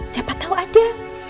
siapa tahu ada